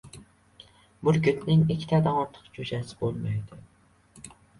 • Burgutning ikkitadan ortiq jo‘jasi bo‘lmaydi.